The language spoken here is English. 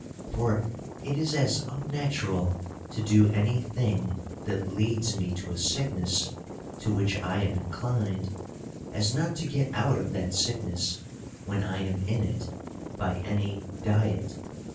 For it is as unnatural to do any thing that leads me to a sickness to which I am inclined, as not to get out of that sickness when I am in it, by any diet.